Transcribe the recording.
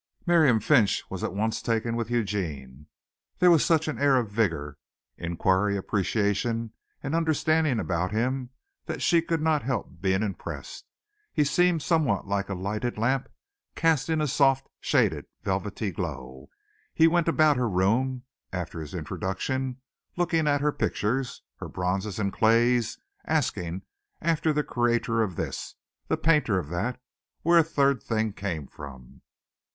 Miriam Finch was at once taken with Eugene. There was such an air of vigor, inquiry, appreciation and understanding about him that she could not help being impressed. He seemed somewhat like a lighted lamp casting a soft, shaded, velvety glow. He went about her room, after his introduction, looking at her pictures, her bronzes and clays, asking after the creator of this, the painter of that, where a third thing came from.